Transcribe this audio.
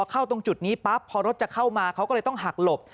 เข้าตรงจุดนี้ปั๊บพอรถจะเข้ามาเขาก็เลยต้องหักหลบ